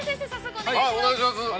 ◆お願いします。